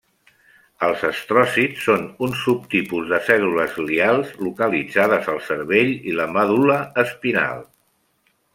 Els astròcits són un subtipus de cèl·lules glials localitzades al cervell i la medul·la espinal.